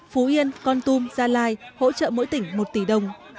phú yên con tum gia lai hỗ trợ mỗi tỉnh một tỷ đồng